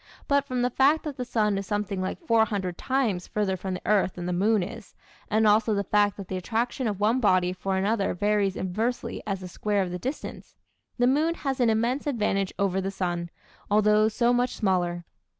But from the fact that the sun is something like 400 times further from the earth than the moon is, and also the fact that the attraction of one body for another varies inversely as the square of the distance, the moon has an immense advantage over the sun, although so much smaller.